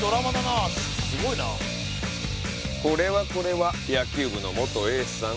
王子：これはこれは野球部の元エースさん。